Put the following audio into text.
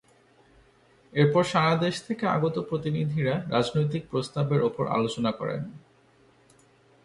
এরপর সারা দেশ থেকে আগত প্রতিনিধিরা রাজনৈতিক প্রস্তাবের ওপর আলোচনা করেন।